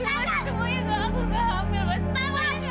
aku gak terjadi